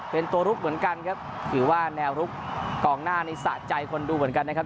เป็นตัวลุกเหมือนกันครับถือว่าแนวลุกกองหน้านี่สะใจคนดูเหมือนกันนะครับ